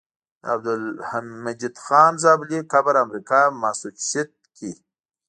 د عبدالمجيد خان زابلي قبر امريکا ماسوچست کي